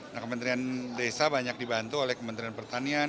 nah kementerian desa banyak dibantu oleh kementerian pertanian